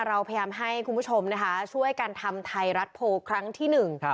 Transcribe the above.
เราพยายามให้คุณผู้ชมนะคะช่วยกันทำไทยรัฐโพลครั้งที่หนึ่ง